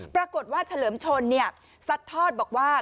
ปรากฏว่าเฉลิมชนสัดทอดบอกว่า